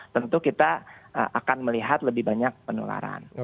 tentu kita akan melihat lebih banyak penularan